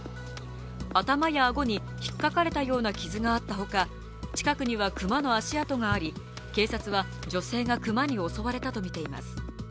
頭や顎にひっかかれたような傷があった他、近くには熊の足跡があり、警察は女性が熊に襲われたとみています。